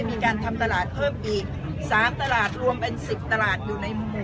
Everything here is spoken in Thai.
ว่าการที่เราร้องเรื่องตลาดนะคะ